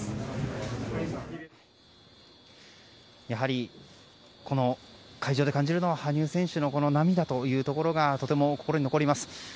やはり、会場で感じるのは羽生選手の涙というところがとても心に残ります。